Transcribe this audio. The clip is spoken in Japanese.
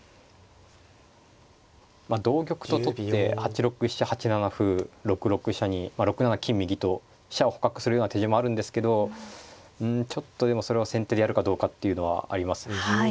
まあ同玉と取って８六飛車８七歩６六飛車に６七金右と飛車を捕獲するような手順もあるんですけどうんちょっとでもそれは先手でやるかどうかっていうのはあります。